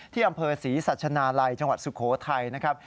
ที่อำเภอศรีสัชนาลัยจังหวัดสุโขทัยนะครับ